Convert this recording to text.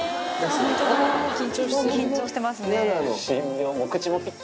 緊張してますね。